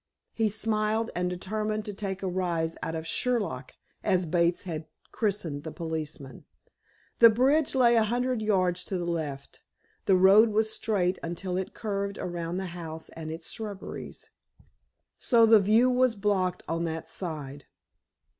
He smiled, and determined to take a rise out of "Sherlock," as Bates had christened the policeman. The bridge lay a hundred yards to the left. The road was straight until it curved around the house and its shrubberies, so the view was blocked on that side.